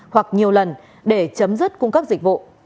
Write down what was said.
hoặc nhiều lần để chấm dứt cung cấp dịch vụ